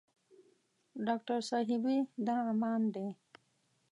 ډاکټر صاحبې دا عمان دی.